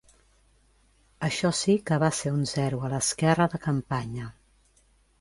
Això sí que va ser un zero a l'esquerra de campanya!